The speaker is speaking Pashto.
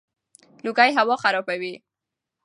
لوګي هوا خرابوي.